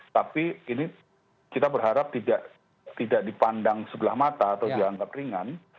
tapi ini kita berharap tidak dipandang sebelah mata atau dianggap ringan